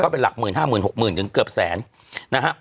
เขาเป็นหลักหมื่นห้าหมื่นหกหมื่นยังเกือบแสน